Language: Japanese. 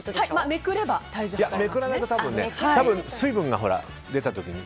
めくらないと水分が出た時に。